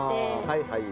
はいはい。